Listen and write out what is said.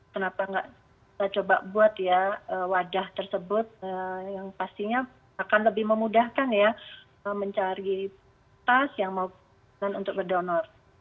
kenapa nggak kita coba buat ya wadah tersebut yang pastinya akan lebih memudahkan ya mencari tas yang mau untuk berdonor